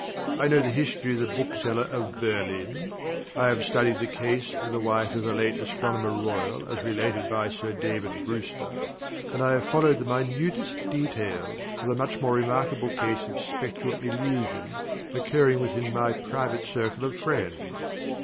I know the history of the Bookseller of Berlin, I have studied the case of the wife of a late Astronomer Royal as related by Sir David Brewster, and I have followed the minutest details of a much more remarkable case of Spectral Illusion occurring within my private circle of friends.